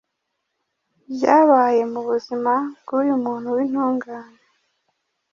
byabaye mu buzima bw’uyu muntu w’intungane,